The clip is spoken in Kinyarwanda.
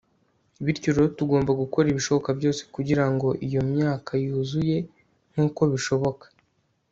bityo rero tugomba gukora ibishoboka byose kugirango iyo myaka yuzuye nkuko bishoboka